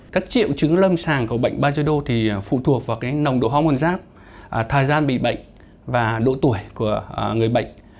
các triệu chứng lâm sàng của bệnh bajedo thì phụ thuộc vào nồng độ hong rác thời gian bị bệnh và độ tuổi của người bệnh